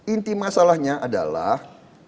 inti masalahnya adalah